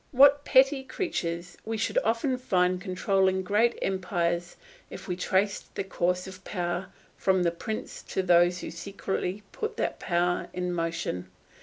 What petty creatures we should often find controlling great empires if we traced the course of power from the prince to those who secretly put that power in motion.